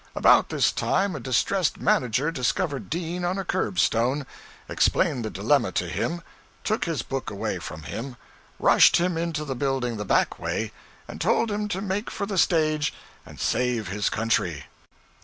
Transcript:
About this time a distressed manager discovered Dean on a curb stone, explained the dilemma to him, took his book away from him, rushed him into the building the back way, and told him to make for the stage and save his country.